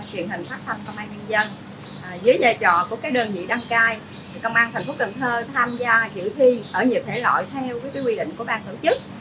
truyền hình phát thanh công an nhân dân dưới dây trò của đơn vị đăng cai công an tp cần thơ tham gia dự thi ở nhiều thể loại theo quy định của ban tổ chức